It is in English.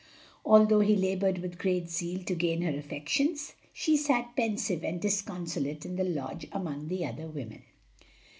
Although he labored with great zeal to gain her affections, she sat pensive and disconsolate in the lodge among the other women.